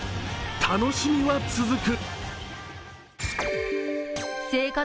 楽しみは続く。